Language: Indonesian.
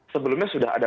sebelumnya sudah ada